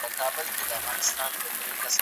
¬ تر رمې ئې سپي ډېر دي.